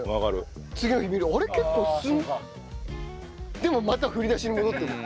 でもまた振り出しに戻ってるんだよ。